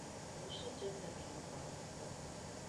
不是真的平滑移動